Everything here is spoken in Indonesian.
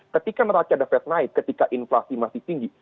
ketika neraca the fed naik ketika inflasi masih tinggi